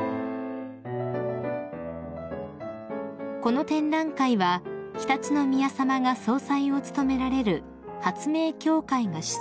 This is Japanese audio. ［この展覧会は常陸宮さまが総裁を務められる発明協会が主催］